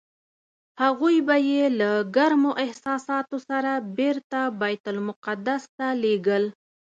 هغوی به یې له ګرمو احساساتو سره بېرته بیت المقدس ته لېږل.